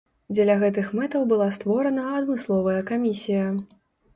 Дзеля гэтых мэтаў была створана адмысловая камісія.